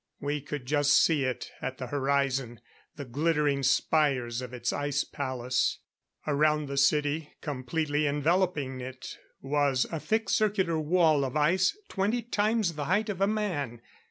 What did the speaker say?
We could just see it at the horizon, the glittering spires of its Ice Palace. Around the city, completely enveloping it, was a thick circular wall of ice twenty times the height of a man.